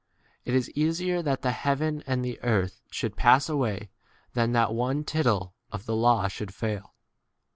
It is easier that the heaven and the earth should pass away than that one 18 tittle of the law should fail.